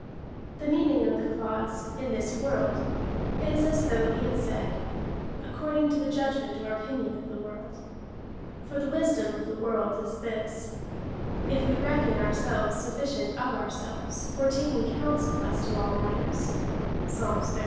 3 The meaning of the clause in this world, is as though he had said —" According to the judgment or opinion of the world." For the wisdom of the world is this — if we reckon ourselves sufficient of ourselves for taking counsel as to all matters (Psalms xiii.